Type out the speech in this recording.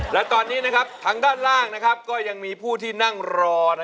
และตอนนี้ทางด้านล่างก็ยังมีผู้ที่นั่งรอ